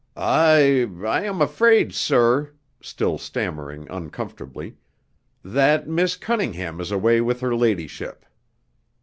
"I I am afraid, sir" still stammering uncomfortably "that Miss Cunningham is away with her ladyship."